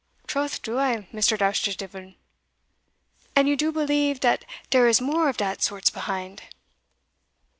"Troth do I, Mr. Dousterdeevil." "And you do believe dat dere is more of dat sorts behind?"